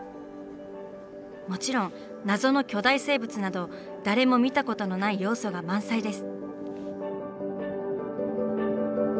もちろん謎の巨大生物など誰も見たことのない要素が満載です。